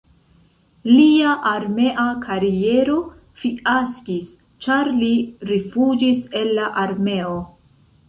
Lia armea kariero fiaskis, ĉar li rifuĝis el la armeo.